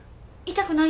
痛くない。